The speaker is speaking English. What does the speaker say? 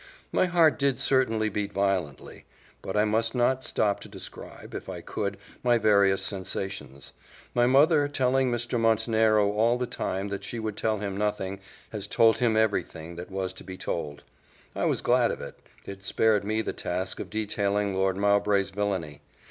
My heart did certainly beat violently; but I must not stop to describe, if I could, my various sensations. My mother, telling Mr. Montenero all the time that she would tell him nothing, had told him every thing that was to be told: I was glad of it it spared me the task of detailing Lord Mowbray's villany.